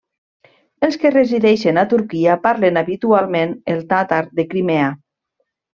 Els que resideixen a Turquia parlen habitualment el tàtar de Crimea.